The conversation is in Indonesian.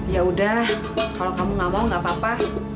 yaudah kalau kamu gak mau gak apa apa